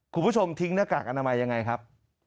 คุณผู้ชมทิ้งหน้ากากอนามัยยังไงครับ